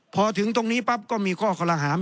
พอถึงตรงนี้ปั๊บก็มีข้อคอลหาม